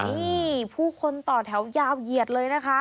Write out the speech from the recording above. นี่ผู้คนต่อแถวยาวเหยียดเลยนะคะ